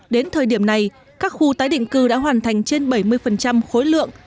đến thời điểm này các khu tái định cư đã hoàn thành trên bảy mươi khối lượng